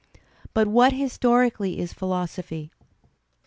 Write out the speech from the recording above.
But what historically is philosophy?